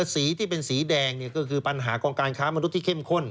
สีที่เป็นสีแดงก็คือปัญหาของการค้ามนุษย์ที่เข้มข้น